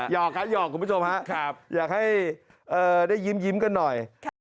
หอกครับหยอกคุณผู้ชมฮะอยากให้ได้ยิ้มกันหน่อย